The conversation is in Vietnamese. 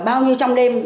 bao nhiêu trong đêm